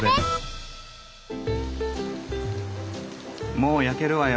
もう焼けるわよ。